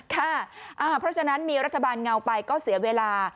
เพราะฉะนั้นมีรัฐบาลเงาไปก็เสียเวลา